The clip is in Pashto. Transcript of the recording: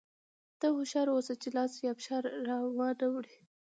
ته هوښیار اوسه چې لاس یا پښه را وانه وړې.